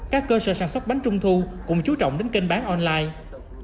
các cơ sở sản xuất bánh trung thu cũng chú trọng đến kênh bán online